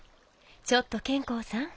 ちょっと兼好さん。